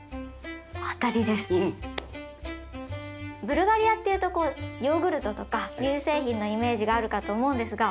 ブルガリアっていうとこうヨーグルトとか乳製品のイメージがあるかと思うんですが。